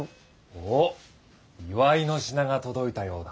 おぉ祝いの品が届いたようだ。